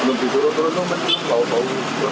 belum disuruh turun itu menting bau bau